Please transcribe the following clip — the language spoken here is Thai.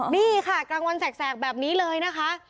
นี่ค่ะกลางวันแสกแบบนี้เลยนะคะ